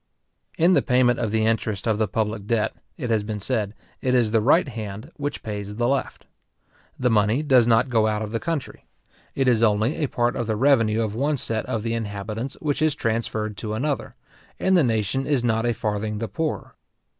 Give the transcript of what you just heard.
In the payment of the interest of the public debt, it has been said, it is the right hand which pays the left. The money does not go out of the country. It is only a part of the revenue of one set of the inhabitants which is transferred to another; and the nation is not a farthing the poorer.